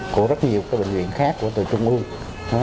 của rất nhiều bệnh viện khác của từ trung ương